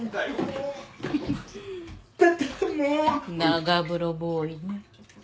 長風呂ボーイね。